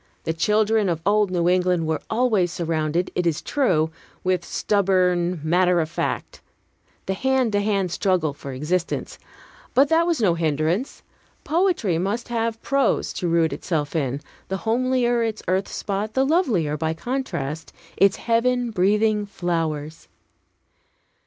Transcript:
The children of old New England were always surrounded, it is true, with stubborn matter of fact, the hand to hand struggle for existence. But that was no hindrance. Poetry must have prose to root itself in; the homelier its earth spot, the lovelier, by contrast, its heaven breathing flowers.